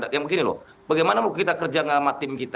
yang begini loh bagaimana mau kita kerja sama tim kita